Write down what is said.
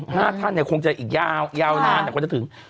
ห้าท่านคงจะอีกยาวยาวนานก็จะถึง